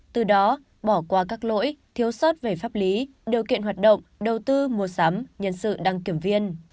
từ đó bỏ qua các lỗi thiếu sót về pháp lý điều kiện hoạt động đầu tư mua sắm nhân sự đăng kiểm viên